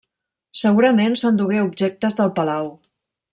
Segurament, s'endugué objectes del Palau.